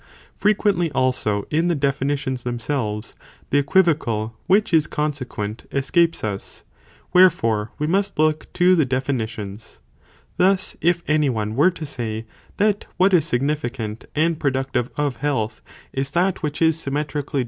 t 7 Frequently also in the definitions themselves, 13. Also th .°° definition of it. the equivocal, which is consequent, escapes us, thine. each = wherefore, we must look to the definitioris. Thus, if any one were to say, that what is significant and productive of health, is that which is symmetrically.